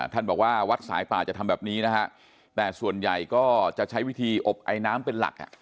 ท่านบอกว่าวัดสายป่าจะทำแบบนี้นะฮะแต่ส่วนใหญ่ก็จะใช้วิธีอบไอน้ำเป็นหลัก